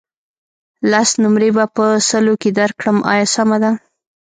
لس نمرې به په سلو کې درکړم آیا سمه ده.